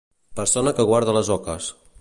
Persona que guarda les oques.